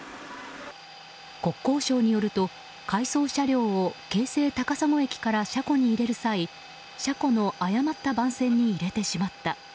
国交省によると回送車両を京成高砂駅から車庫に入れる際車庫の誤った番線に入れてしまった。